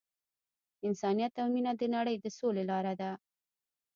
انسانیت او مینه د نړۍ د سولې لاره ده.